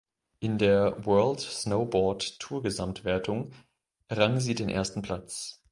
In der World Snowboard Tourgesamtwertung errang sie den ersten Platz.